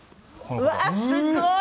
うわーすごい！